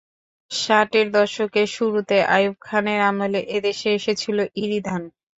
ষাটের দশকের শুরুতে আইয়ুব খানের আমলে এ দেশে এসেছিল ইরি ধান।